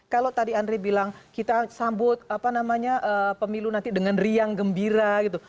kalau tadi andri bilang kita sambut apa namanya pemilu nanti dengan riang gembira gitu